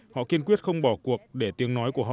họ kiên quyết không bỏ cuộc để tiếng nói của họ